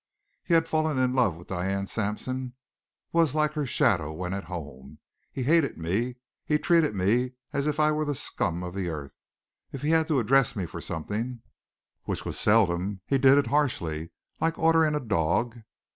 He had fallen in love with Diane Sampson, was like her shadow when at home. He hated me; he treated me as if I were the scum of the earth; if he had to address me for something, which was seldom, he did it harshly, like ordering a dog.